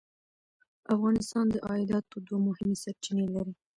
افغانستان د عایداتو دوه مهمې سرچینې لري.